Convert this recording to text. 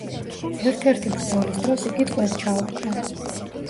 ერთ-ერთი ბრძოლის დრო იგი ტყვედ ჩავარდა.